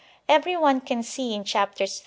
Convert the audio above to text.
Every one can see in chap ters III.